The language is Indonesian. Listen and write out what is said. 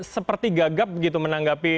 seperti gagap menanggapi